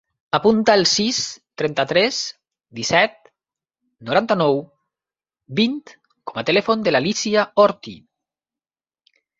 Apunta el sis, trenta-tres, disset, noranta-nou, vint com a telèfon de l'Alícia Orti.